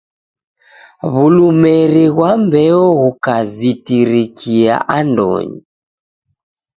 W'ulemeri ghwa mbeo ghukazitirikia andonyi.